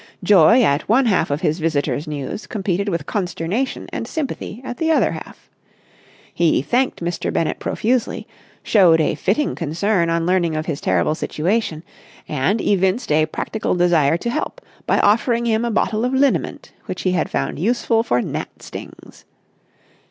Joy at one half of his visitor's news competed with consternation and sympathy at the other half. He thanked Mr. Bennett profusely, showed a fitting concern on learning of his terrible situation, and evinced a practical desire to help by offering him a bottle of liniment which he had found useful for gnat stings.